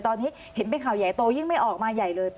ตอนนี้เห็นเป็นข่าวใหญ่โตยิ่งไม่ออกมาใหญ่เลย